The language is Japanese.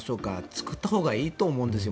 作ったほうがいいと思うんですよ。